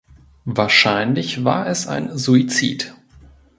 Wahrscheinlich war es ein Suizid.